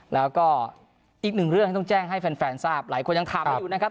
แล้วก็อีกหนึ่งเรื่องที่ต้องแจ้งให้แฟนทราบหลายคนยังถามกันอยู่นะครับ